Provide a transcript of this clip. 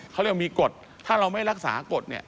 เขาเรียกว่ามีกฎถ้าเราไม่รักษากฎเนี่ย